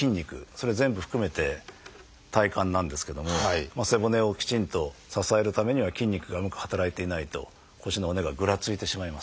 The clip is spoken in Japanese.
それを全部含めて体幹なんですけども背骨をきちんと支えるためには筋肉がうまく働いていないと腰の骨がぐらついてしまいます。